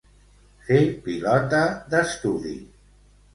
Fer pilota d'estudi.